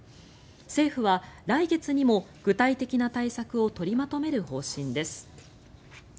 政府は来月にも、具体的な対策を取りまとめる方針です。